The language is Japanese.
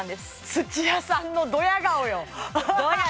土屋さんのドヤ顔よ